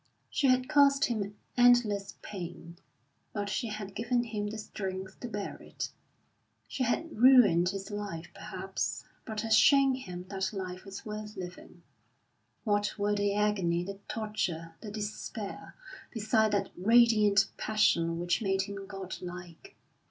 She had caused him endless pain, but she had given him the strength to bear it. She had ruined his life, perhaps, but had shown him that life was worth living. What were the agony, the torture, the despair, beside that radiant passion which made him godlike?